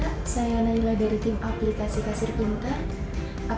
ini berkenalkan saya nayla dari tim aplikasi kasih pembelian